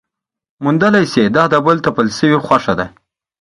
موندلی شي چې دا د بل تپل شوې خوښه ده.